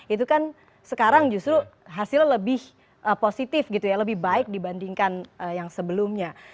itu kan sekarang justru hasilnya lebih positif gitu ya lebih baik dibandingkan yang sebelumnya